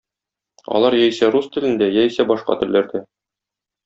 Алар яисә рус телендә, яисә башка телләрдә.